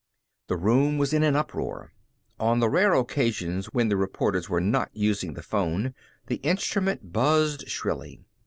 The room was in an uproar. On the rare occasions when the reporters were not using the phone the instrument buzzed shrilly.